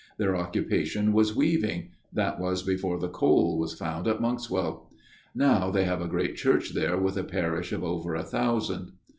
Their occupation was weaving ; that was before the coal was found at Monkswell. Now they have a great church there with a parish of over a thousand.